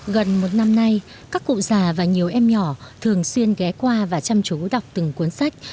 gần một năm nay các cụ già và nhiều em nhỏ thường xuyên ghé qua và chăm chú đọc từng cuốn sách